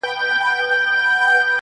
بس لکه تندر پر مځکه لوېږې-